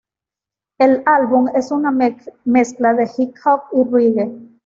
El álbum es una mezcla de hip hop y reggae.